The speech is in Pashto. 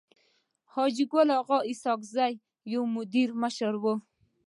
حاجي ګل اغا اسحق زی يو مدبر مشر وو.